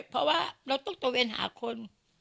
เพราะว่าเราต้องตะเวนหาคน